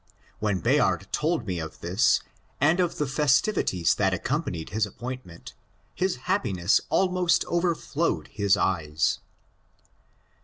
When Bayard told me of this, and of the festivities that accompanied his appointment, his happi ness almost overflowed his eyes.